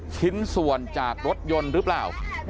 ชิ้นส่วนจากรถยนต์หรือเปล่า